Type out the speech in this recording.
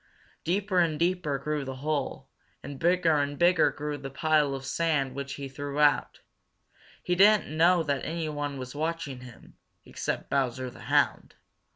Deeper and deeper grew the hole, and bigger and bigger grew the pile of sand which he threw out. He didn't know that anyone was watching him, except Bowser the Hound.